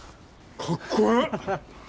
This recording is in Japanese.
かっこええ。